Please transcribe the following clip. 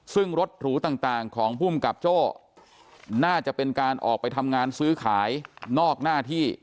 ซึ่งรถหรูต่างของภูมิกับโจ้น่าจะเป็นการออกไปทำงานซื้อขายนอกหน้าที่